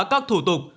các thủ tục